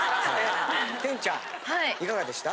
天ちゃんいかがでした？